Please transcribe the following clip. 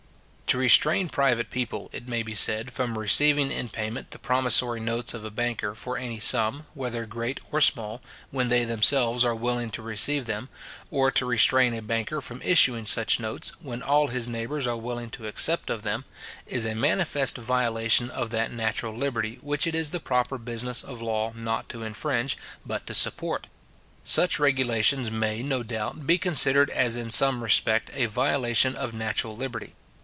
To restrain private people, it may be said, from receiving in payment the promissory notes of a banker for any sum, whether great or small, when they themselves are willing to receive them; or, to restrain a banker from issuing such notes, when all his neighbours are willing to accept of them, is a manifest violation of that natural liberty, which it is the proper business of law not to infringe, but to support. Such regulations may, no doubt, be considered as in some respect a violation of natural liberty.